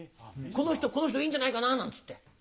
この人いいんじゃないかななんつって。